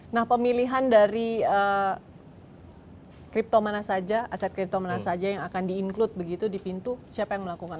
nah pemilihan dari crypto mana saja aset kripto mana saja yang akan di include begitu di pintu siapa yang melakukan